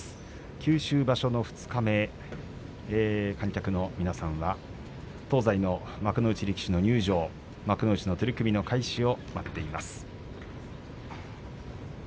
九州場所の二日目、観客の皆さんは東西の幕内力士の入場幕内の取組の開始を待っています。